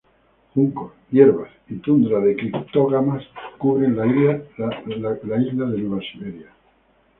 Juncos, hierbas, y tundra de criptógamas cubren la isla de Nueva Siberia.